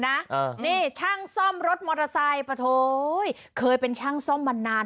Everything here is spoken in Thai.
นี่ช่างซ่อมรถมอเตอร์ไซค์ปะโถเคยเป็นช่างซ่อมมานาน